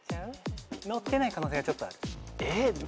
載ってない可能性がちょっとある。